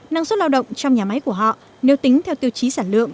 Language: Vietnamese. năng suất lao động trong nhà máy của họ nếu tính theo tiêu chí sản lượng